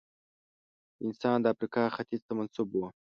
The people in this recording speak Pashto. دا انسان د افریقا ختیځ ته منسوب و.